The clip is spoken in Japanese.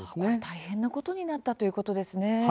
大変なことになったということですね。